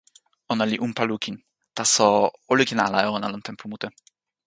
ona li unpa lukin. taso, o lukin ala e ona lon tenpo mute.